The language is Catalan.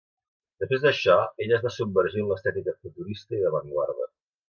Després d'això, ella es va submergir en l'estètica futurista i d'avantguarda.